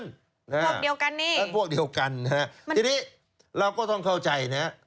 พวกเดียวกันนี่เป็นพวกเดียวกันนะฮะทีนี้เราก็ต้องเข้าใจนะฮะ